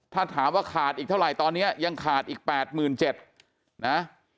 ถ้าถามว่าขาดอีกเท่าไหร่ตอนนี้ยังขาดอีก๘๗๐๐นะ